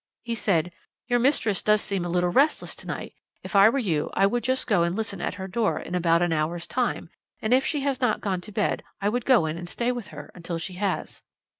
He said: "Your mistress does seem a little restless to night. If I were you I would just go and listen at her door in about an hour's time, and if she has not gone to bed I would go in and stay with her until she has."